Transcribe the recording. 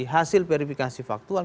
hasil verifikasi faktual